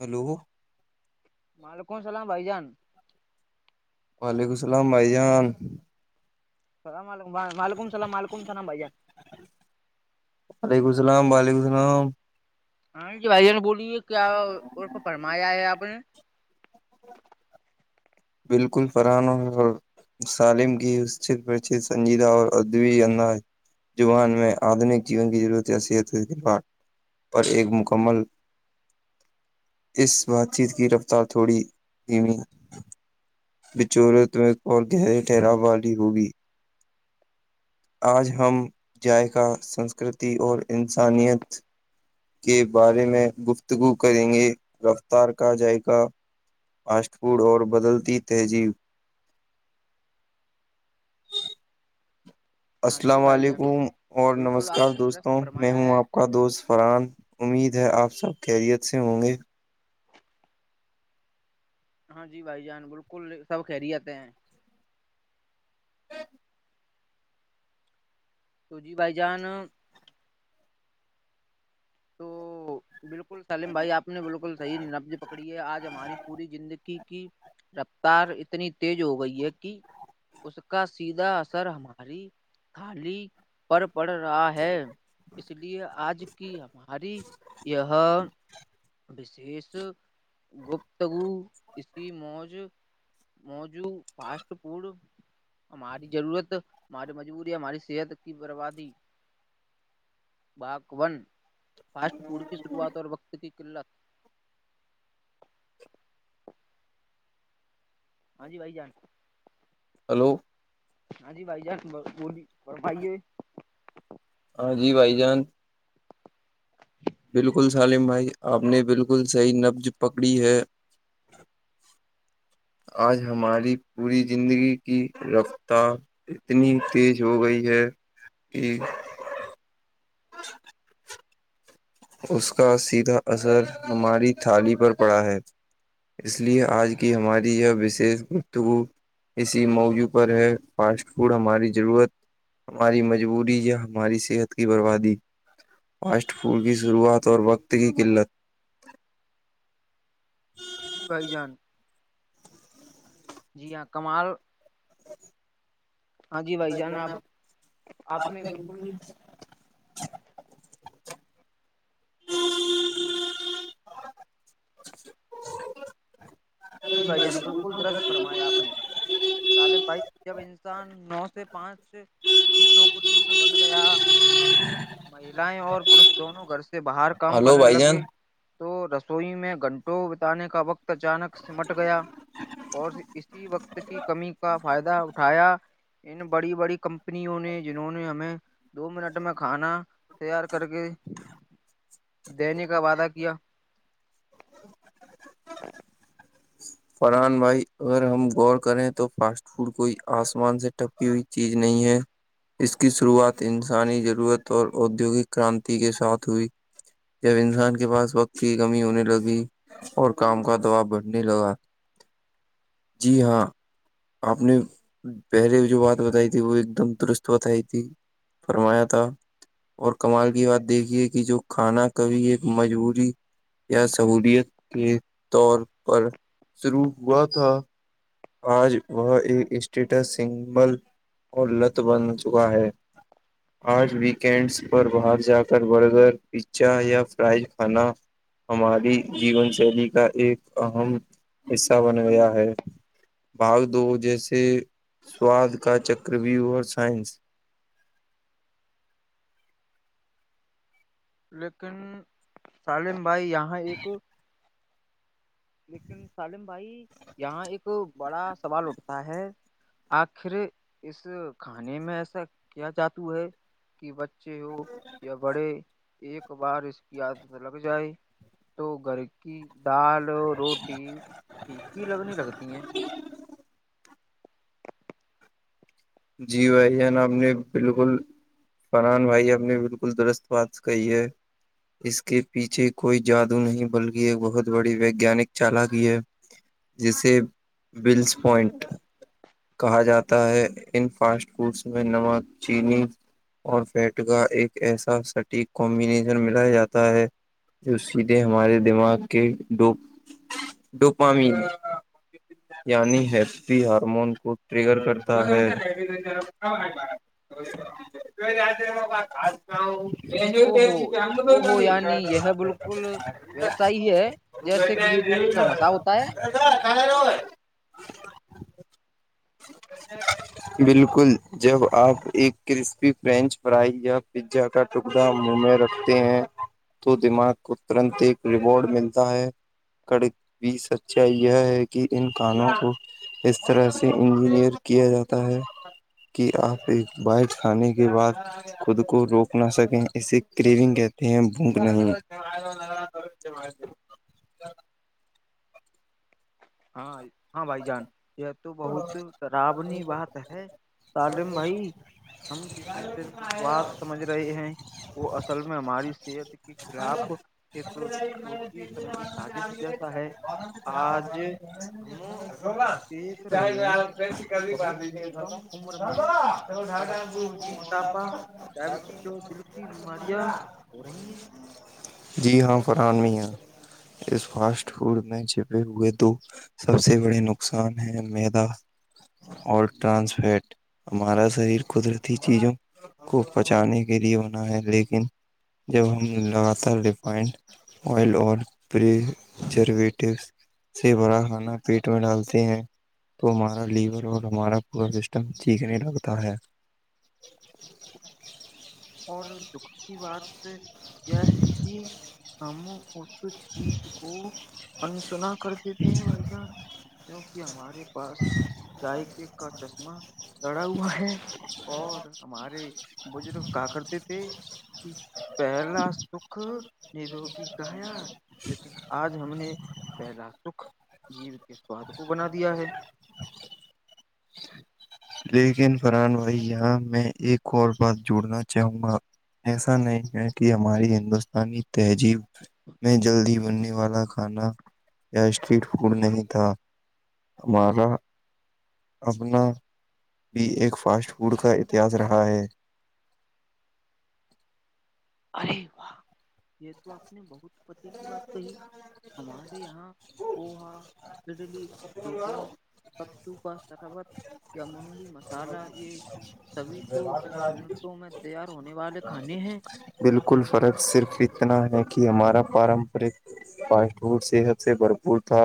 hello وعلیکم السلام بھائی جان وعلیکم السلام بھائی جان سلام علیکم وعلیکم السلام و علیکم السلام بھ جان وعلیکم السلام و علیکم السلام ہاں یہ بھائی ج نے بولی ہے کیا ارف فرمایا ہے آپ نے بالکل فران اور سالم کی اسچت سنجیدہ اور ادبی انداز زبان میں آدھنک جیون کی ضرورت حیثیحت پر ایک مکمل اس بات چیت کی رفتار تھوڑی دمی بچور تمیں اور گہرے ٹھہراؤ والی ہوگی آج ہم ذائقہ سنسکرتی اور انسانیت کے بارے میں گفتگو کریں گے رفتار کا ذائقہ آاش پڑ اور بدلتی تہذیب ہاں جی السلام بھائی جان علیکم اور بالکل نمسکار آپ نے درست دوستوں میں فرمایا ہوں ہے آپ کا دوست فرحان امید ج آپ سب خریت سے ہوں گے ہاں جی بھائی جان بالکل سب خہری آاتتے ہیں ہ تو جی بائی جان بالکل بالکل سلیم بھائی آپ نے بالکل صحیح نبز پکڑی ہے آج ہماری پوری زندگی کی رفتار اتنی تیز ہو گئی ہے کہ اس کا سیدھا اثر ہماری تھالی پر پڑ رہا ہے اس لیے آج کی ہماری یہشش گپتگو اس کی موج موجو فاسٹ فوڈ ہماری ضرورت ہماری مجبوری ہماری صحت کی بربادی بکن فاسٹ فوڈ شروعات اور وقت کی قلت ہاں جی بائی جان ہلو ہاں جی بھائی جس بولی بھائی ہو ہاں جی بھائی جان بالکل سالم بھائی آپ نے بالکل صحیح نبز پکڑی ہے آج ہماری پوری زندگی کی رفتار اتنی تیز ہو گئی ہے ٹھیک ا اس کا اثر ہماری تھالی پر پڑا ہے اس لیے آج کی ہماری یہ وشش گفتگو اسی موضوع پر ہے فاسٹ فوڈ ہماری ضرورت ہماری مجبوری یا ہماری صحت کی بربادی فاسٹ فوڈ کی شروعات اور وقت کی قلت جی بھائی جان جی ہاں کمال ہاں جی بھائی جان آپ آپ نے بالکل جی بھائی جان بالکل درست فرمایا آپ ج ان نو سے پانچ کی نوکریوں میں بن گیا مہلاائیں اور پوش دونوں گھر سے سے باہر کام ہلو کرنے بھائی جان لگے تو رسوئی میں گھنٹوں بتانے کا وقت اچانک سمٹ گیا اور اسی وقت کی انن بڑی بڑی کم اپنیوں نے جنہوں نے ہمیں دو منٹ میں کھانا تیار کر کے دین کا وعدہ کیا ج فران بھائی اگر ہم غور کریں تو فاسٹ فوڈ کوئی آسمان سے ٹپی ہوئی چیز نہیں ہے اس کی شروعات انسانی ضرورت اور ادیوگک کرانتی کے ساتھ ہوئی جب انسان کے پاس وقت کی کمی ہونے لگی اور کام کا دباؤ بڑھنے لگا جی ہاں آپ نے پہلے جو بات بتائی تھی وہ ایک دم درست بتائی تھی فرمایا تھا اور کمال کی بات دیکھیے کہ جو کھانا کبھی ایک مجبوری یا سہلیت کے طور پر شروع ہوا تھا آج وہ ایک اسٹیٹس سگل اور لت بن چکا ہے آج ویکینڈس پر باہر جا کر برگر پا یا فرائی کھانا ہماری جیون شیلی کا ایک اہم حصہ بن گیا ہے بھاگ دو جیسے سواد کا چکروو اور سائنس لیکن سالم بھائی یہاں ایک لیکن سالم بھائی یہاں ایک بڑا سوال اٹھتا ہے آخر اس کھانے میں ایسا کیا جاتو ہے کہ ب بچے ہو یا بڑے ایک بار اس کی عادت لگ جائے تو گھر کی دال روٹی چی لگنے لگتی ہیں [inaudible] جی بھائی جان آپ نے بالکل فنان بھائی آپ نے بالکل درست بات کہی ہے اس کے پیچھے کوئی جادو نہیں بلکہ ایک بہت بڑی ویگانک چالک ہے جسے بلس پوائنٹ کہا جاتا ہے ان فاسٹ فوڈس میں نمک چینی اور فیٹ کا ایک ایسا سٹیک کمبینیشن ملایا جاتا ہے جو سیدھے ہمارے دماغ کے ڈوپامی یعنی ہیپپی ہارمون کو ٹریگر کرتا ہے [unintelligible] او ہو او ہو یعنی یہ بالکل ویسا ہی ہے جیسے کسی چیز [unintelligible] کا نشہ ہوتا ہے [inaudible] بالکل جب آپ ایک کرسپی فرینچ فرائی یا پیزا کا ٹکڑا منہ میں رکھتے ہیں تو دماغ کو ترنت ایک ریوارڈ ملتا ہے کڑی سچائی یہ ہے کہ ان کانوں کو اس طرح سے انجینئر کیا جاتا کہ آپ ایک بائٹ کھانے کے بعد خود کو روک نہ سکیں اسے گریونگ کہتے ہیں بھک نہیں ہاں ہاں بھائی جان یہ تو بہت خرابنی بات ہے سالم بھائی ہم جسے صرف سواد سمجھ رہے ہیں وہ اصل میں ہماری صحت کے خلاف ایک سوچی سمجھی سازش جیسا ہے آج ہم دیکھ رہے ہیں کہ بہت کم عمر میں بچوں کو موٹاپا ڈائبٹیز اور دل کی بیماریاں ہو رہی ہیں جی ہاں قرآن میں ہے اس فاسٹ فوڈ میں چھپے ہوئے دو سب سے بڑے نقصان ہے میدا اور ٹرانسورت ہمارا شریر قدرتی چیزوں کو پچانے کے لیے بنا ہے لیکن جب ہم لگاتار ریفائنڈ آئل اور پریبزرویٹو سے بڑا کھانا پیٹ میں ڈالتے ہیں تو ہمارا لیور اور ہمارا پورا سسٹم ٹھیک نہیں لگتا ہے اور دکھ کی بات یہ ہے کہ ہم [inaudible] کچ چیز کو [inaudible] سنا کر دیتے ہیں بھائی جان کی یہ ہمارے پاس چائے کے کا چشمہ لڑا ہوا ہے اور ہمارے بزرگ کا کرتے تھ پہلا سکھ نروگی کہایا لیکن آج ہم نے پہلا سکھ جیو کے سواد کو بنا دیا ہے لیکن فرحان ویا میں ایک اور بات جڑنا چاہوں گا ایسا نہیں ہے کہ ہماری ہندوستانی تہذیب میں جلدی بننے نوالا کھانا یا اسٹریٹ فوڈ نہیں تھا ہمارا اپنا بھی ایک فاسٹ فوڈ کا اتہس رہا ہے ارے واہ یہ تو آپ نے بہت پتی کی بات کہی ہمارے یہاں پوہا اڈلی ٹوکلا کتو کا سربت یا منڈی مسالہ یہ سبھی تو منٹوں میں تیار ہونے سوال کھانے ہیں بالکل فرق صرف اتنا ہے کہ ہمارا پارمپرک فاسٹ فوڈ صحت سے بھرپور تھا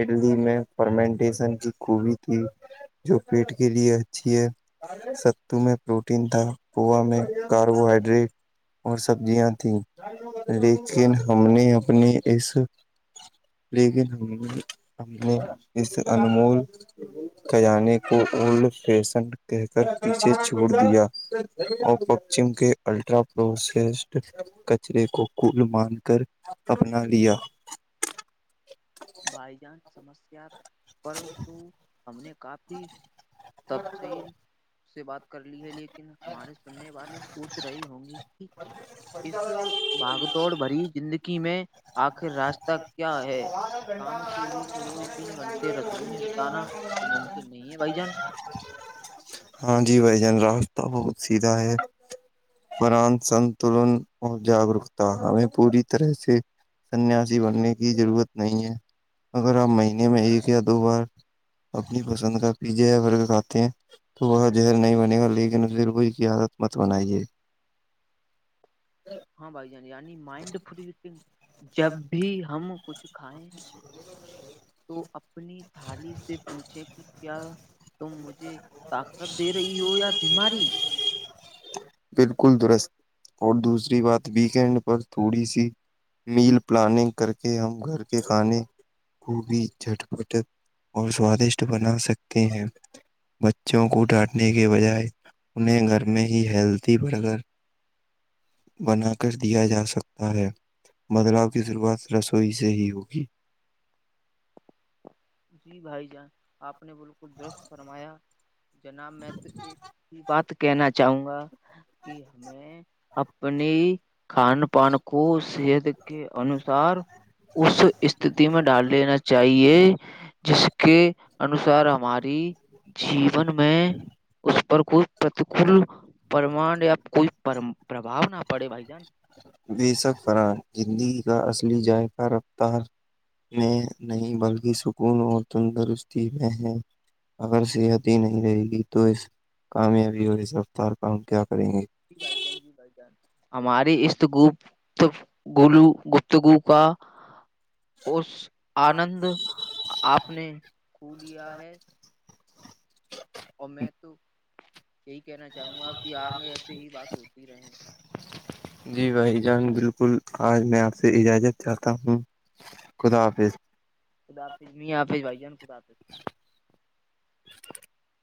اڈلی میں فرمنٹیشن کی گوبی تھی جو پیٹ کے لیے اچھی ہے ستو میں پروٹین تھا کووا میں کاربوہائڈریٹ اور سبزیاں تھیں اس انمول کانے کو فیش کہ کر پیچھے چھوڑ دیا اور چم کے الٹرا پروسسڈ کچرے کو کل مان کر اپنا لیا بائی جان سمسیا پرت ہم نے کافی تفصیل سے بات کر لی ہے لیکن ہمارے سننے والے سوچ رہی ہوں گی کہ پچہ ہزار توڑ بھری زندگی میں آخر راستہ کیا ہے کام کے بیچ روز تین گھنٹے رسوئی میں بتانا تو ممکن نہیں ہے بھائی جان ہاں جی بھ جان راستہ بہت سیدھا ہے پران سنتلن اور جاگروکتا ہمیں پوری طرح سے سنیاسی بننے کی ضرورت نہیں ہے اگر آپ مہینے میں ایک یا دو بار اپنی پسند کا پیزا یاگ کھاتے ہیں تو وہ زہر نہیں بنے گا لیکن برگو اس کی عادت مت بنائیے ہاں بھائی جانی یعنی مائنڈ فری جب بھی ہم کھائےیں تو اپنی تھالی سے پوچھے ٹھیک کیا تم مجھے طاقت دے رہی ہو یا بیماری بالکل درست اور دوسری بات ویکینڈ پر تھوڑی سی میل پلاننگ کر کے ہم گھر کے کھانے خب جٹپٹ اور سوادشٹ بنا سکتے ہیں بچوں کو ڈانٹنے کے بجائے انہیں گھر میں ہی ہلتی برگر بناکر دیا جا سکتا ہے بدلاؤ کی شروعات رسوئی سے ہی ہوگی جی بھائی جان آپ نے بالکل درست فرمایا جناب میں تو ایک ہی بات کہنا چاہوں گا کہ ہمیں اپنی کھان پان کو صحت کے انوسار اس استتی میں ڈال لینا چاہیے [inaudible] جس کے انوسار ہماری جیون میں اس پر کوئی پرتکول پرمان یا کوئی پرمپ بی سب فر ہی اصلی ذائقہ رفتار میں نہیں بلکہ سکون اور تندرستی میں ہے اگر صحت ہی نہیں رہے گی تو اس کامیابی اور اس رفتار کا کیا کریں گے جی بھائی جان جی بھائی جان ہماریے اس تو گ گولو گفتگو کا اس آنند آپ نے ک لیا ہے ا میں تو یہی کہنا چاہوں گا کہ آگے ایسے ہی بات ہوتی رہے جی بھائی جان بالکل آج میں آپ سے اجازت چاہتا ہوں خدا حافظ ا آپ م آپ بائی جن کود تو [inaudible]